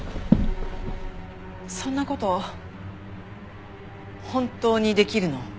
そんな事本当にできるの？